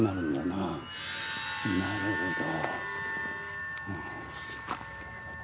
なるほど。